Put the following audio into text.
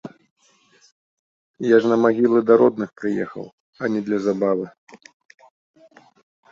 Я ж на магілы да родных прыехаў, а не для забавы.